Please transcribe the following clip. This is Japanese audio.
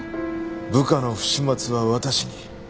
部下の不始末は私に。